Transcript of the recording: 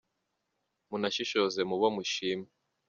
Munashishoze mubo mushima